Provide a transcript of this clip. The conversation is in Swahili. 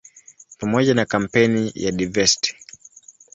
Pamoja na kampeni ya "Divest!